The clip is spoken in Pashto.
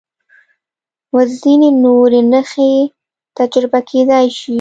و ځینې نورې نښې تجربه کېدای شي.